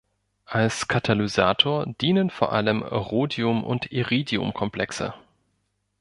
Als Katalysator dienen vor allem Rhodium- und Iridium-Komplexe.